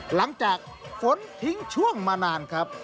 หลังจากฝนทิ้งช่วงมานานครับ